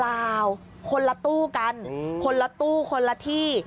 คนละตู้กันคนละตู้คนละที่